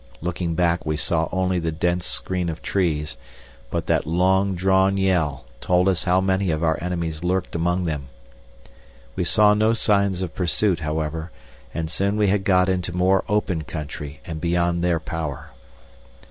Looking back we saw only the dense screen of trees, but that long drawn yell told us how many of our enemies lurked among them. We saw no sign of pursuit, however, and soon we had got into more open country and beyond their power.